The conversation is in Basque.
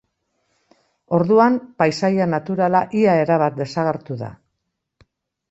Orduan, paisaia naturala ia erabat desagertu da.